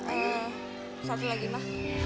eh satu lagi ma